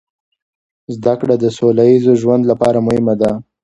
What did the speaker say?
زده کړه د سوله ییز ژوند لپاره مهمه ده.